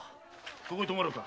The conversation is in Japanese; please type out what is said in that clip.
ここに泊まろうか。